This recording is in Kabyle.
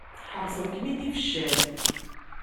Ḥaṛṣen-kem-id ibeccan.